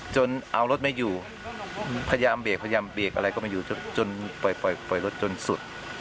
จนเอารถไม่อยู่พยายามเบรกพยายามเบรกอะไรก็ไม่อยู่จนปล่อยรถจนสุด